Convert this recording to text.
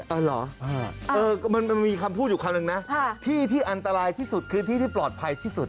เอาเหรอมันมีคำพูดอยู่คำนึงนะที่ที่อันตรายที่สุดคือที่ที่ปลอดภัยที่สุด